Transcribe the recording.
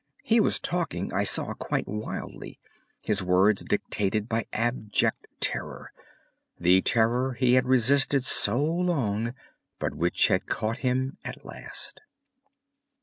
He was talking, I saw, quite wildly, his words dictated by abject terror—the terror he had resisted so long, but which had caught him at last.